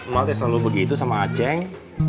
mak itu selalu begitu sama acing